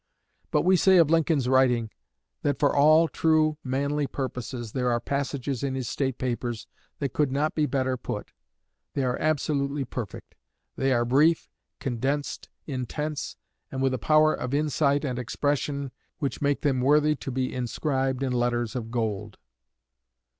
But we say of Lincoln's writing, that for all true manly purposes there are passages in his state papers that could not be better put; they are absolutely perfect. They are brief, condensed, intense, and with a power of insight and expression which make them worthy to be inscribed in letters of gold."